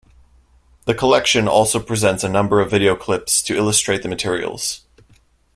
The collection also presents a number of videoclips to illustrate the materials.